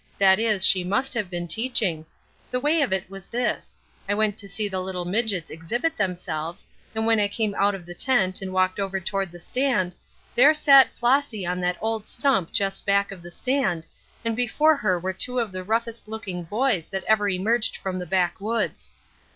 That is, she must have been teaching. The way of it was this: I went to see the little midgets exhibit themselves, and when I came out of the tent and walked over toward the stand, there sat Flossy on that old stump just back of the stand, and before her were two of the roughest looking boys that ever emerged from the backwoods.